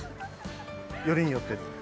よりによって。